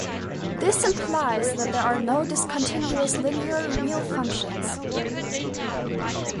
This implies that there are no discontinuous linear real functions.